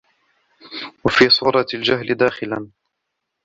وَفِي صُورَةِ الْجَهْلِ دَاخِلًا